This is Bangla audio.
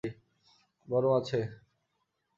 গরম আছে।